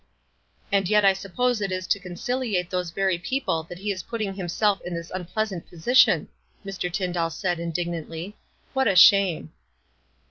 "And yet I suppose it is to conciliate those very people that he is putting himself in this unpleasant position," Mr. Tyndall said, indig nantly. "What a shame!"